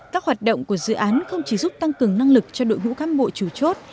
các hoạt động của dự án không chỉ giúp tăng cường năng lực cho đội ngũ cán bộ chủ chốt